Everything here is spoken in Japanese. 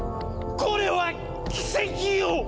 これは奇跡よ！